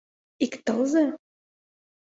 — Ик тылзе?!